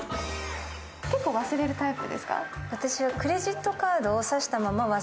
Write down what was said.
結構、忘れるタイプですか？